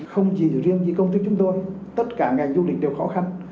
không chỉ riêng vì công ty chúng tôi tất cả ngày du lịch đều khó khăn